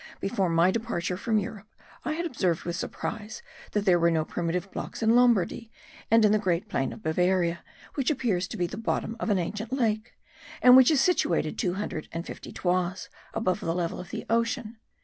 Before my departure from Europe I had observed with surprise that there were no primitive blocks in Lombardy and in the great plain of Bavaria which appears to be the bottom of an ancient lake, and which is situated two hundred and fifty toises above the level of the ocean.